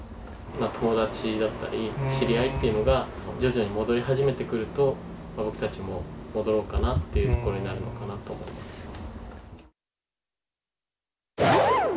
友達だったり、知り合いっていうのが、徐々に戻り始めてくると、僕たちも戻ろうかなというところになるのかなと思います。